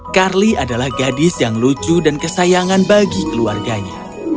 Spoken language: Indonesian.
carly adalah gadis yang lucu dan kesayangan bagi keluarganya